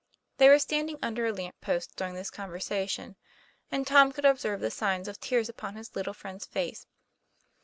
They were standing under a lamp post during this conversation and Tom could observe the signs of tears upon his little friend's face.